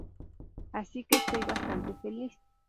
Así que estoy bastante feliz".